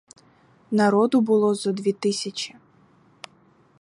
Народу було зо дві тисячі.